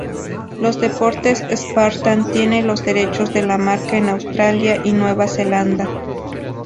Los deportes Spartan tienen los derechos de la marca en Australia y Nueva Zelanda.